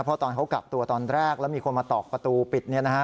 เพราะตอนเขากักตัวตอนแรกแล้วมีคนมาตอกประตูปิด